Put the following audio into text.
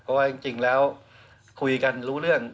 เพราะว่าจริงแล้วคุยกันรู้เรื่อง